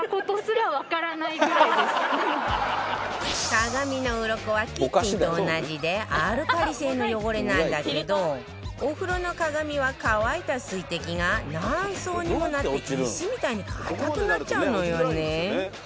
鏡のウロコはキッチンと同じでアルカリ性の汚れなんだけどお風呂の鏡は乾いた水滴が何層にもなって石みたいに硬くなっちゃうのよね